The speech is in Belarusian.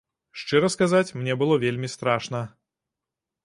Шчыра сказаць, мне было вельмі страшна.